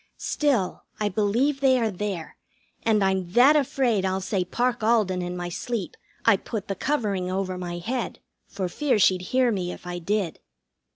Still, I believe they are there, and I'm that afraid I'll say Parke Alden in my sleep I put the covering over my head, for fear she'd hear me if I did.